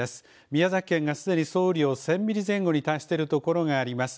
宮崎県がすでに総雨量１０００ミリ前後に達している所があります。